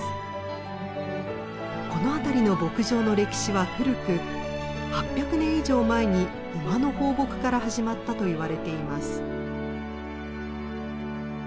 この辺りの牧場の歴史は古く８００年以上前に馬の放牧から始まったといわれています。